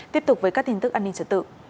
tiếp tục với các tin tức an ninh trật tự